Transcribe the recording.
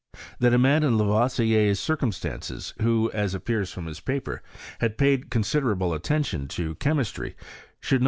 That a man in Lavoisier's circum stances, who, as appears from his paper, had paid considerable attention to chemistry, should not have VOL.